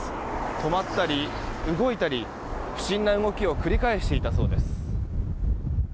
止まったり動いたり不審な動きを繰り返していたそうです。